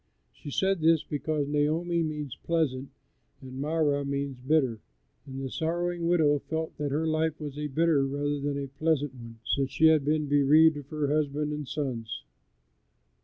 She said this because Naomi means "pleasant" and Mara means "bitter," and the sorrowing widow felt that her life was a bitter rather than a pleasant one, since she had been bereaved of her husband and sons.